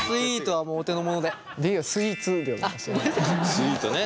スイートね。